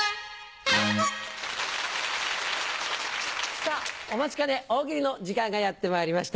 さぁお待ちかね大喜利の時間がやってまいりました。